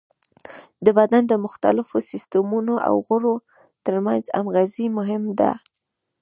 د بدن د مختلفو سیستمونو او غړو تر منځ همغږي مهمه ده.